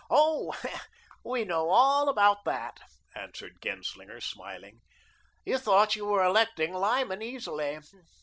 "Oh, we know all about that," answered Genslinger, smiling. "You thought you were electing Lyman easily.